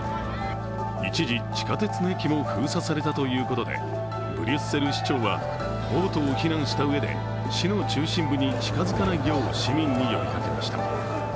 一時、地下鉄の駅も封鎖されたということでブリュッセル市長は暴徒を非難したうえで市の中心部に近づかないよう市民に呼びかけました。